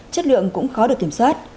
chất lượng cũng khó được kiểm soát